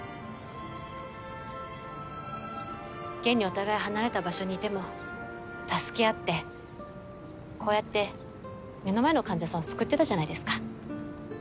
現にお互い離れた場所にいても助け合ってこうやって目の前の患者さんを救ってたじゃないですか。